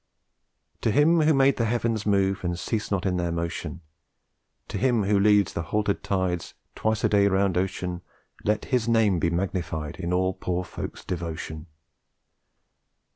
To Him Who made the Heavens move and cease not in their motion To Him Who leads the haltered tides twice a day round ocean Let His name be magnified in all poor folks' devotion!